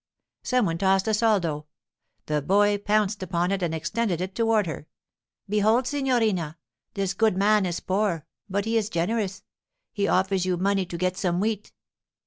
Some one tossed a soldo. The boy pounced upon it and extended it toward her. 'Behold, signorina! This good man is poor, but he is generous. He offers you money to get some wheat.